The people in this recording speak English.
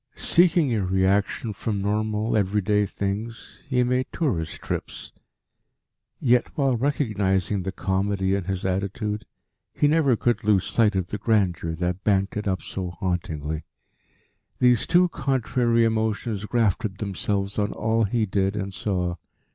Seeking a reaction from normal, everyday things, he made tourist trips; yet, while recognising the comedy in his attitude, he never could lose sight of the grandeur that banked it up so hauntingly. These two contrary emotions grafted themselves on all he did and saw.